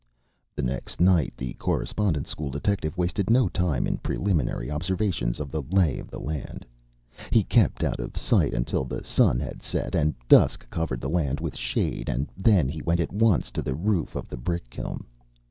The next night the Correspondence School detective wasted no time in preliminary observations of the lay of the land. He kept out of sight until the sun had set and dusk covered the land with shade, and then he went at once to the roof of the brick kiln.